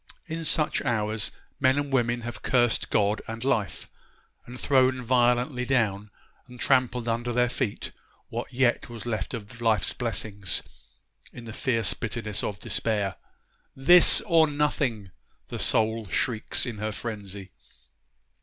In such hours men and women have cursed God and life, and thrown violently down and trampled under their feet what yet was left of life's blessings in the fierce bitterness of despair. This or nothing! the soul shrieks in her frenzy.